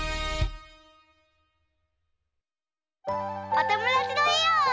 おともだちのえを。